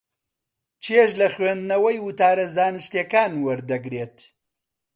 چێژ لە خوێندنەوەی وتارە زانستییەکان وەردەگرێت.